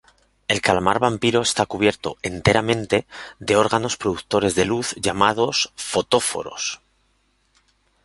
El calamar vampiro está cubierto enteramente de órganos productores de luz llamados fotóforos.